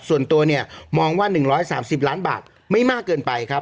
ส่วนตัวเนี่ยมองว่า๑๓๐ล้านบาทไม่มากเกินไปครับ